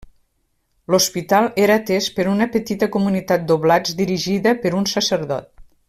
L'hospital era atès per una petita comunitat d'oblats dirigida per un sacerdot.